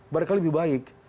barangkali lebih baik